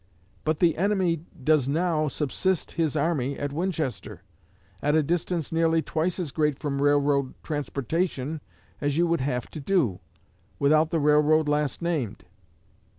But the enemy does now subsist his army at Winchester, at a distance nearly twice as great from railroad transportation as you would have to do, without the railroad last named.